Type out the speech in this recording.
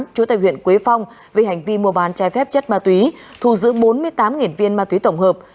trú tại huyện quế phong vì hành vi mua bán trái phép chất ma túy thu giữ bốn mươi tám viên ma túy tổng hợp